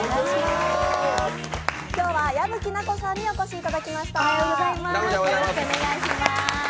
今日は矢吹奈子さんにお越しいただきました。